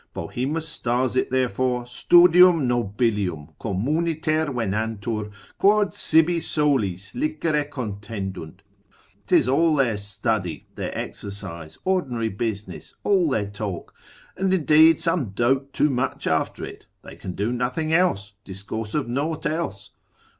Bohemus, de mor. gent. lib. 3. cap. 12. styles it therefore, studium nobilium, communiter venantur, quod sibi solis licere contendunt, 'tis all their study, their exercise, ordinary business, all their talk: and indeed some dote too much after it, they can do nothing else, discourse of naught else.